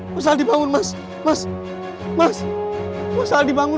mas ali bangun mas